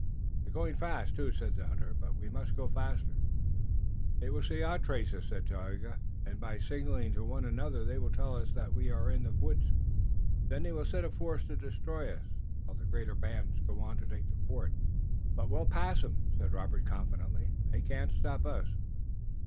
"They're going fast, too," said the hunter, "but we must go faster." "They will see our traces," said Tayoga, "and by signaling to one another they will tell all that we are in the woods. Then they will set a force to destroy us, while the greater bands go on to take the fort." "But we'll pass 'em," said Robert confidently. "They can't stop us!"